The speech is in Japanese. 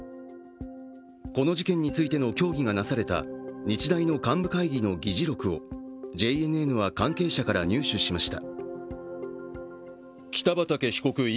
この事件についての協議がなされた日大の幹部会議の議事録をＪＮＮは関係者から入手しました。